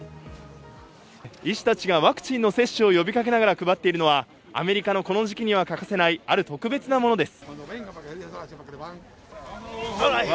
医師たちがワクチンの接種を呼びかけながら配っているのは、アメリカのこの時期には欠かせないある特別なものです。